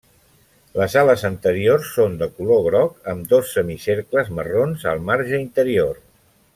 Les ales anteriors són de color groc amb dos semicercles marrons al marge interior.